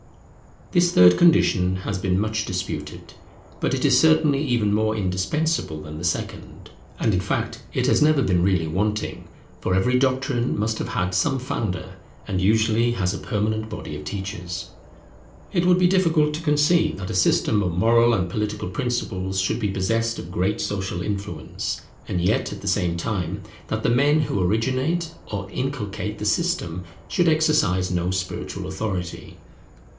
This third condition has been much disputed; but it is certainly even more indispensable than the second. And in fact it has never been really wanting, for every doctrine must have had some founder, and usually has a permanent body of teachers. It would be difficult to conceive that a system of moral and political principles should be possessed of great social influence, and yet at the same time that the men who originate or inculcate the system should exercise no spiritual authority.